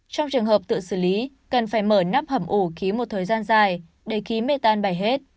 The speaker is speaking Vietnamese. trong trường hợp tự xử lý cần phải mở nắp hầm ủ ký một thời gian dài để khí mê tan bày hết